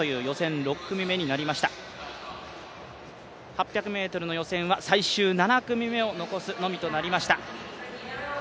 ８００ｍの予選は最終７組目を残すのみとなりました。